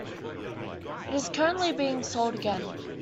It is currently being sold again.